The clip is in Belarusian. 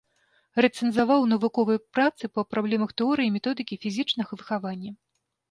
Рэцэнзаваў навуковыя працы па праблемах тэорыі і методыкі фізічнага выхавання.